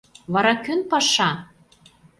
Вара кӧн паша?